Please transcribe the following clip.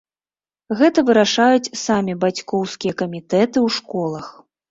Гэта вырашаюць самі бацькоўскія камітэты ў школах.